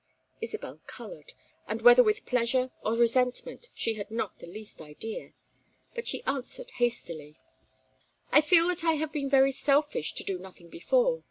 Isabel colored, and whether with pleasure or resentment, she had not the least idea. But she answered, hastily: "I feel that I have been very selfish to do nothing before.